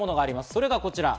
それがこちら。